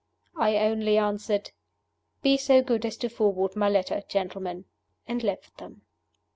I only answered, "Be so good as to forward my letter, gentlemen," and left them.